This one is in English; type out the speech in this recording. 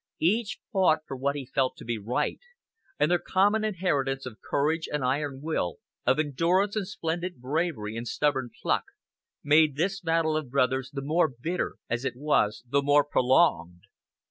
Each fought for what he felt to be right; and their common inheritance of courage and iron will, of endurance and splendid bravery and stubborn pluck, made this battle of brothers the more bitter as it was the more prolonged.